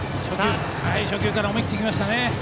初球から思い切っていきましたね。